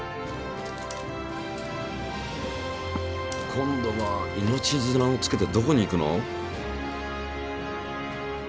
今度は命綱をつけてどこに行くの？